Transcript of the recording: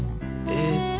えっと。